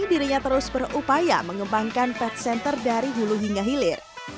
dirinya terus berupaya mengembangkan pad center dari hulu hingga hilir